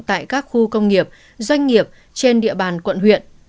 tại các khu công nghiệp doanh nghiệp trên địa bàn quận huyện